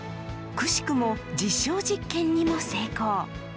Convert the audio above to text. くしくも実証実験にも成功。